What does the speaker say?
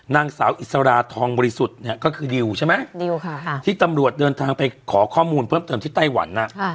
นางสาวอิสราทองบริสุทธิ์เนี่ยก็คือดิวใช่ไหมดิวค่ะที่ตำรวจเดินทางไปขอข้อมูลเพิ่มเติมที่ไต้หวัน